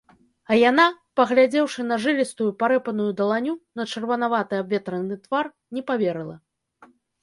А яна, паглядзеўшы на жылістую, парэпаную даланю, на чырванаваты абветраны твар - не паверыла.